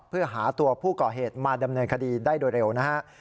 เพื่อหาตัวผู้ก่อเหตุมาดำเนินคดีได้โดยเร็วนะฮะ